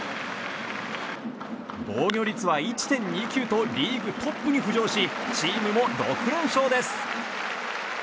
防御率は１．２９とリーグトップに浮上しチームも６連勝です。